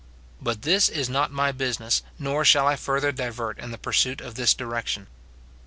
But this is not my busi ness ; nor shall I further divert in the pursuit of this direction.